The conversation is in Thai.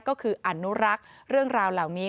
ก็คืออนุรักษ์เรื่องราวเหล่านี้